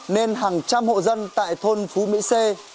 nên hàng trăm hộ dân tại thôn phú mỹ c